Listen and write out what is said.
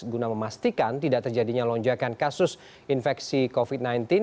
guna memastikan tidak terjadinya lonjakan kasus infeksi covid sembilan belas